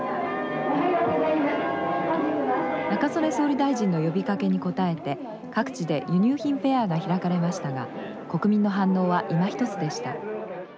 「中曽根総理大臣の呼びかけに応えて各地で輸入品フェアが開かれましたが国民の反応はいまひとつでした」。